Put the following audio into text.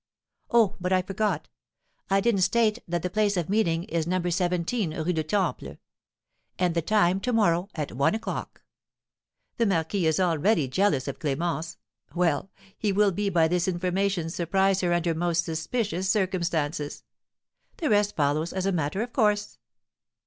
Oh! but I forgot, I didn't state that the place of meeting is No. 17 Rue du Temple. And the time, to morrow at one o'clock. The marquis is already jealous of Clémence; well, he will by this information surprise her under most suspicious circumstances; the rest follows as a matter of course."